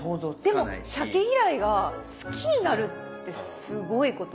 でもしゃけ嫌いが好きになるってすごいことだよね。